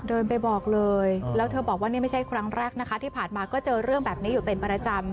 เดินไปบอกเลยแล้วเธอบอกว่านี่ไม่ใช่ครั้งแรกนะคะที่ผ่านมาก็เจอเรื่องแบบนี้อยู่เป็นประจำ